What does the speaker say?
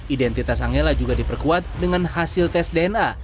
identitas angela juga diperkuat dengan hasil tes dna